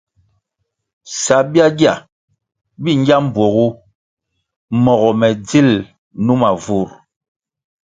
Sabyagya bi ngya mbpuogu mogo me dzil numa vur.